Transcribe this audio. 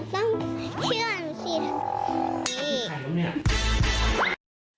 ถ้าเป็นพ่อของหนูก็ต้องเชื่อสิทธิ์อีก